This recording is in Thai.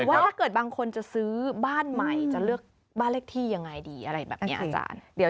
ว่าถ้าเกิดบางคนจะซื้อบ้านใหม่จะเลือกบ้านเลขที่ยังไงดีอะไรแบบนี้อาจารย์